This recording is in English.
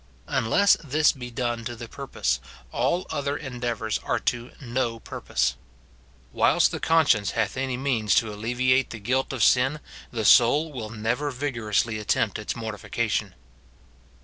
Unless this be done to the purpose, all other endeavours are to no purpose. Whilst the conscience hath any means to alle viate the guilt of sin, the soul will never vigorously at tempt its mortification.